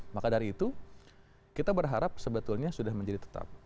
maka dari itu kita berharap sebetulnya sudah menjadi tetap